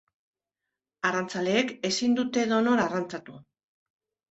Arrantzaleek ezin dute edonon arrantzatu.